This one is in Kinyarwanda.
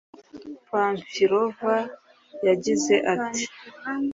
Panfilova yagize ati